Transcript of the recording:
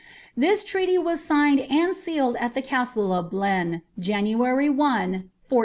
This treaty was signed and sealed at the castle of Blein, January 1, 1400.